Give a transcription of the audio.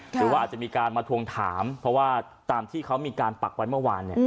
หรือก็มาถ่วงถามเพราะว่าตามที่เค้ามีการปักไว้เมื่อวาน